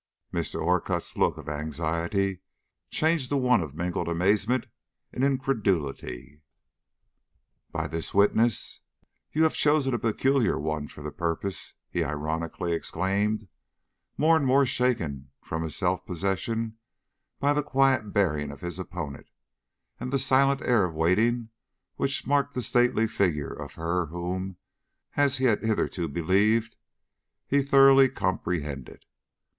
Mr. Orcutt's look of anxiety changed to one of mingled amazement and incredulity. "By this witness! You have chosen a peculiar one for the purpose," he ironically exclaimed, more and more shaken from his self possession by the quiet bearing of his opponent, and the silent air of waiting which marked the stately figure of her whom, as he had hitherto believed, he thoroughly comprehended.